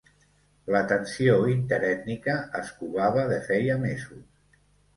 La tensió interètnica es covava de feia mesos.